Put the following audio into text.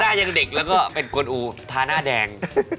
หน้ายังเด็กแล้วก็เป็นกวนอูทาหน้าแดง